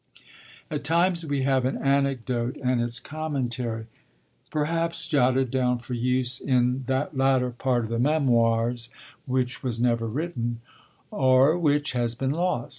At times we have an anecdote and its commentary, perhaps jotted down for use in that latter part of the Memoirs which was never written, or which has been lost.